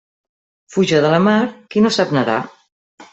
Fuja de la mar qui no sap nedar.